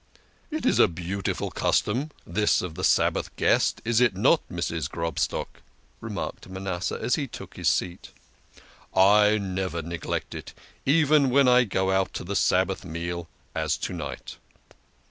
" It is a beautiful custom, this of the Sabbath guest, is it not, Mrs. Grobstock ?" remarked Manasseh as he took his seat. " I never neglect it even when I go out to the Sabbath meal as to night."